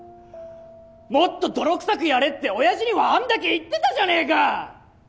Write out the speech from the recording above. もっと泥臭くやれって親父にはあんだけ言ってたじゃねぇか！